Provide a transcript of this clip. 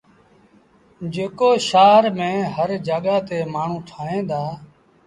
جيڪو شآهر ميݩ هر جآڳآ تي مآڻهوٚٚݩ ٺاهيݩ دآ۔